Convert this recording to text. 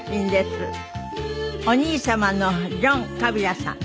お兄様のジョン・カビラさん。